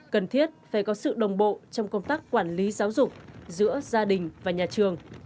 cần thiết phải có sự đồng bộ trong công tác quản lý giáo dục giữa gia đình và nhà trường